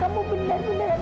tante kita harus berhenti